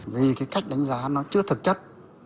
vì cái cách đánh giá nó chưa thực chất